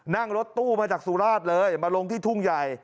นั่งรถตู้มาจากสุราชเลยมาลงที่ทุ่งใหญ่